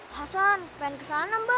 hasan pengen ke sana mbah